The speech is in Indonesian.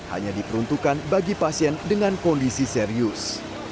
dan hanya diperuntukkan bagi pasien dengan kondisi serius